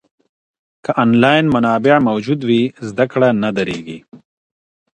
که انلاین منابع موجود وي، زده کړه نه درېږي.